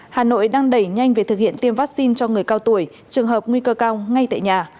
hà nội đang đẩy nhanh việc thực hiện tiêm vaccine cho người cao tuổi trường hợp nguy cơ cao ngay tại nhà